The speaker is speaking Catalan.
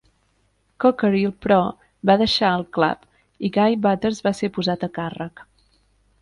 Cockerill però va deixar el Club i Guy Butters va ser posat a càrrec.